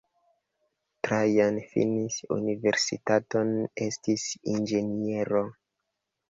Trajan finis universitaton, estis inĝeniero.